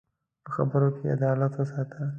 په خبرو کې عدالت وساته